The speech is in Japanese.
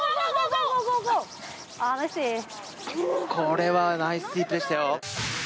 これはナイススイープでしたよ。